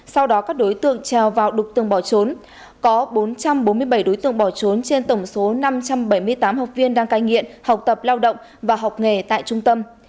sau đó các đối tượng treo vào đục tường bỏ trốn có bốn trăm bốn mươi bảy đối tượng bỏ trốn trên tổng số năm trăm bảy mươi tám học viên đang cai nghiện học tập lao động và học nghề tại trung tâm